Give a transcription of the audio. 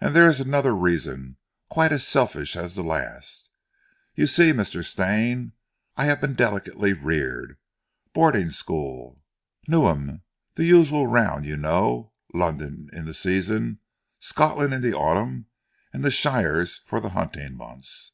"And there is another reason quite as selfish as the last. You see, Mr. Stane, I have been delicately reared; boarding school, Newnham the usual round you know! London in the season, Scotland in the autumn, and the shires for the hunting months.